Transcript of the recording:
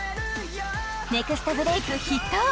ネクストブレイク筆頭！